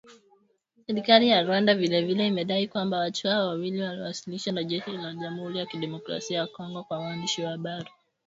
Serikali ya Rwanda vile vile imedai kwamba watu hao wawili waliowasilishwa na jeshi la Jamhuri ya kidemokrasia ya Kongo kwa waandishi wa habari.